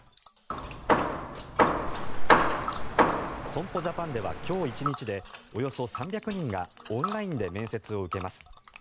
損保ジャパンでは今日１日でおよそ３００人がオンラインで面接を受けます。